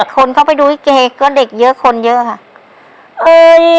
คนเข้าไปดูลิเกก็เด็กเยอะคนเยอะค่ะ